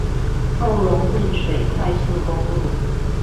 後龍汶水快速公路